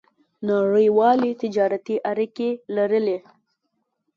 نړیوالې تجارتي اړیکې لرلې.